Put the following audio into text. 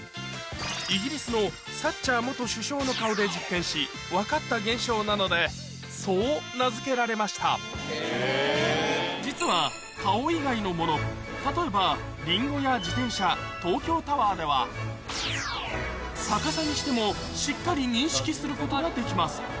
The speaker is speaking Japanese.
イギリスのサッチャー首相の顔で実験し分かった現象なのでそう名付けられました実は例えばリンゴや自転車東京タワーでは逆さにしてもしっかり認識することができます